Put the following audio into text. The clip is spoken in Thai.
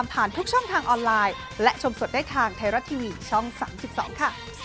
มันเชิงไทยรัก